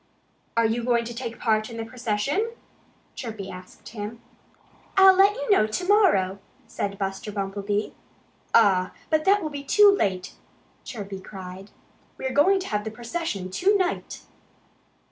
"Are you going to take part in the procession?" Chirpy asked him. "I'll let you know to morrow," said Buster Bumblebee. "Ah, but that will be too late!" Chirpy cried. "We're going to have the procession to night."